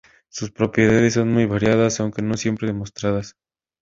Sus propiedades son muy variadas, aunque no siempre demostradas.